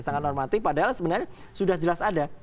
sangat normatif padahal sebenarnya sudah jelas ada